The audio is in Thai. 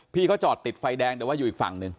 พี่เขาจอดติดไฟแดงแต่ว่าอยู่อีกฝั่งหนึ่ง